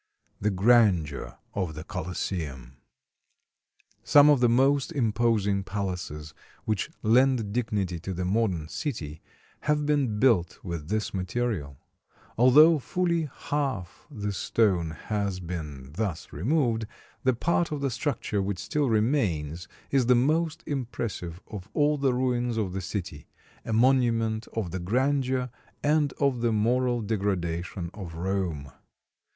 THE GRANDEUR OF THE COLOSSEUM Some of the most imposing palaces which lend dignity to the modern city have been built with this material. Although fully half the stone has been thus removed, the part of the structure which still remains is the most impressive of all the ruins of the city a monument of the grandeur and of the moral degradation of Rome.